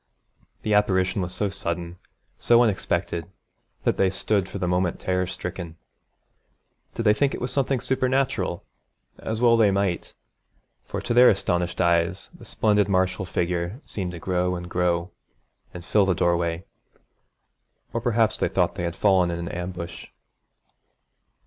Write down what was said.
The apparition was so sudden, so unexpected, that they stood for the moment terror stricken. Did they think it something supernatural? as well they might, for to their astonished eyes the splendid martial figure seemed to grow and grow, and fill the doorway. Or perhaps they thought they had fallen in an ambush.